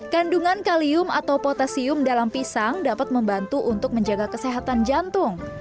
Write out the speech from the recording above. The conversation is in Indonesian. kandungan kalium atau potasium dalam pisang dapat membantu untuk menjaga kesehatan jantung